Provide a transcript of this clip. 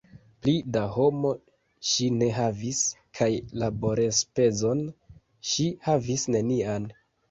Pli da mono ŝi ne havis, kaj laborenspezon ŝi havis nenian.